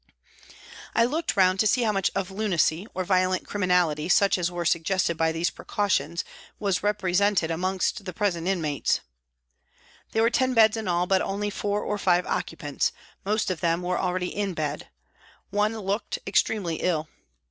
I looked round to see how much of lunacy, or violent criminality, such as were suggested by these precautions, was represented 02 84 PRISONS AND PRISONERS amongst the present inmates. There were ten beds in all, but only four or five occupants ; most of them were already in bed one looked extremely ill.